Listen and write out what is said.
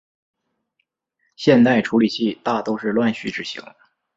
现代处理器大都是乱序执行。